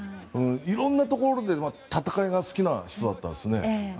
いろんなところで戦いが好きな人だったですね。